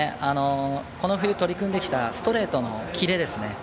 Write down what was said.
この冬、取り組んできたストレートのキレですね。